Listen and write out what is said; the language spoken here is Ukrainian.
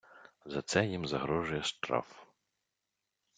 За це їм загрожує штраф.